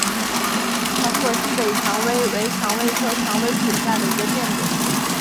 长果西北蔷薇为蔷薇科蔷薇属下的一个变种。